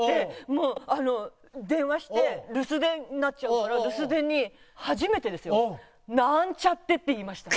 もうあの電話して留守電になっちゃうから留守電に初めてですよ「なんちゃって」って言いました。